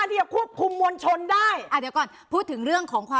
พี่โหดใช่ไหมรู้ปะ